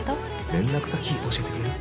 連絡先教えてくれる？